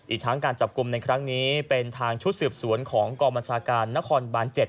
อีกทั้งการจับกลุ่มในครั้งนี้เป็นทางชุดเสี่ยบสวนของกมนนบ๗